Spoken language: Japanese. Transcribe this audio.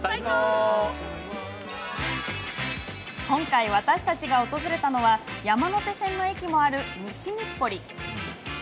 今回、私たちが訪れたのは山手線の駅もある西日暮里。